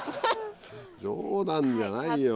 冗談じゃないよ。